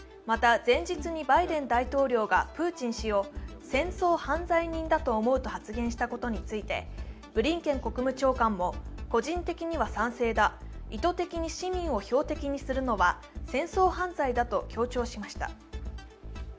また前日にバイデン大統領がプーチン氏を戦争犯罪人だと思うと発言したことについてブリンケン国務長官も個人的には賛成だ意図的に市民を標的にするのは戦争犯罪だと強調しました。